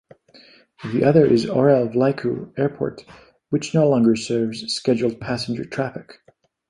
The other is Aurel Vlaicu Airport, which no longer serves scheduled passenger traffic.